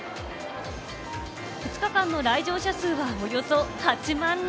２日間の来場者数はおよそ８万人！